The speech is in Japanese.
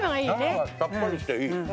さっぱりして、いい。